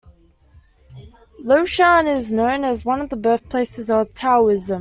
Laoshan is known as one of the birthplaces of Taoism.